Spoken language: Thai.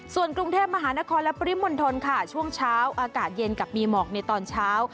ส่วนกรุงเทพมหานครและปริมณฑลค่ะช่วงเช้าอากาศเย็นกับมีหมอกในตอนเช้า